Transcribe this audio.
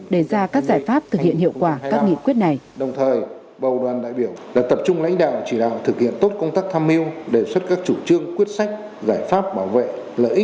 đề ra các giải pháp thực hiện hiệu quả các nghị quyết này